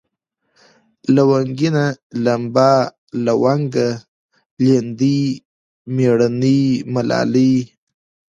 لونگينه ، لمبه ، لونگه ، ليندۍ ، مېړنۍ ، ملالۍ